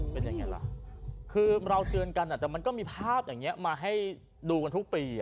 เป็นยังไงล่ะคือเราเตือนกันแต่มันก็มีภาพอย่างนี้มาให้ดูกันทุกปี